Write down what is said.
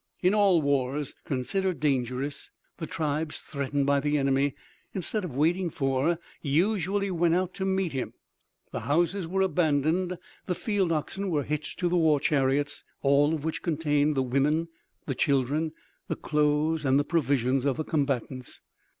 In all wars considered dangerous, the tribes threatened by the enemy, instead of waiting for, usually went out to meet him. The houses were abandoned; the field oxen were hitched to the war chariots, all of which contained the women, the children, the clothes and the provisions of the combatants.